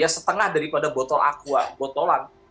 setengah daripada botol aqua botolan